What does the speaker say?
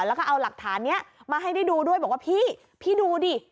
แล้วก็เอาหลักฐานนี้มาให้ได้ดูด้วยบอกว่าพี่พี่ดูดิ